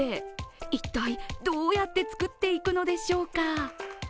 一体どうやって作っていくのでしょうか。